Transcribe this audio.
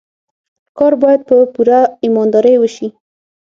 کار باید په پوره ایماندارۍ وشي.